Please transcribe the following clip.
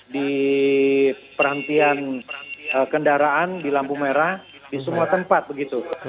di perhentian kendaraan di lampu merah di semua tempat begitu